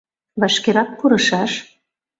Вашкерак пурышаш.